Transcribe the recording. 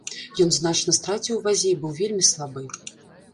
Ён значна страціў у вазе і быў вельмі слабы.